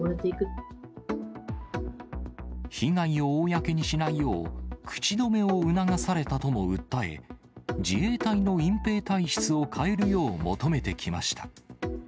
被害を公にしないよう、口止めを促されたとも訴え、自衛隊の隠蔽体質を変えるよう求めてきました。